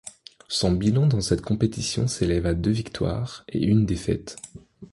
Son bilan dans cette compétition s'élève à deux victoires et une défaite.